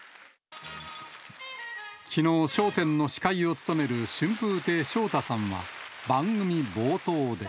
きのう、笑点の司会を務める春風亭昇太さんは、番組冒頭で。